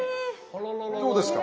どうですか？